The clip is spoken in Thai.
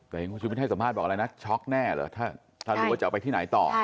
แต่คุณชูวิทย์ให้สมาธิบอกอะไรนะช็อคแน่หรือถ้ารู้ว่าจะเอาไปที่ไหนต่อ